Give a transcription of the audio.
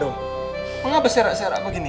kenapa serak serak begini